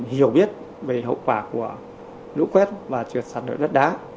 hiểu biết về hậu quả của lũ quét và trượt sạt lở đất đá